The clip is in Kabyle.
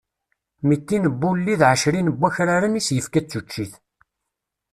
Mitin n wulli d ɛecrin n wakraren i s-yefka d tuččit.